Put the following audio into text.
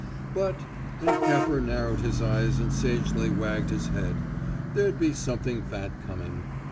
But and Capper narrowed his eyes and sagely wagged his head there'd be something fat coming.